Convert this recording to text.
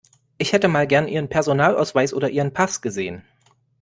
Ich hätte mal gern Ihren Personalausweis oder Ihren Pass gesehen.